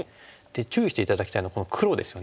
注意して頂きたいのはこの黒ですよね。